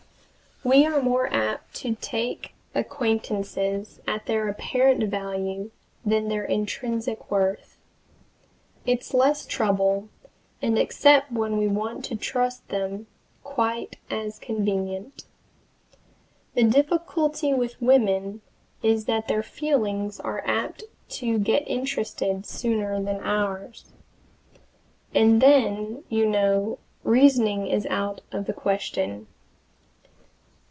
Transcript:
We are more apt to take acquaintances at their apparent value than their intrinsic worth. It's less trouble, and, except when we want to trust them, quite as convenient. The difficulty with women is that their feelings are apt to get interested sooner than ours, and then, you know, reasoning is out of the question.